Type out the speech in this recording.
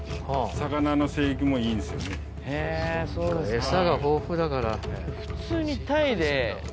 エサが豊富だから。